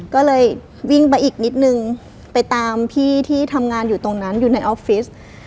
ก็เลยวิ่งไปอีกนิดนึงไปตามพี่ที่ทำงานอยู่ตรงนั้นอยู่ในออฟฟิศ